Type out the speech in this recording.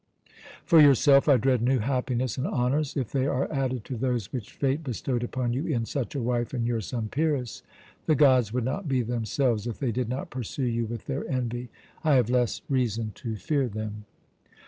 For yourself, I dread new happiness and honours; if they are added to those which Fate bestowed upon you in such a wife and your son Pyrrhus, the gods would not be themselves if they did not pursue you with their envy. I have less reason to fear them."